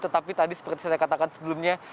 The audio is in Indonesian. tetapi tadi seperti saya katakan sebelumnya